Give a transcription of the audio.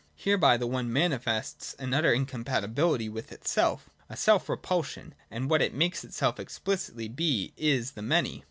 Hereby the One manifests an utter incompatibility with itself, a self repulsion : and what it makes itself explicitly be, is the Many.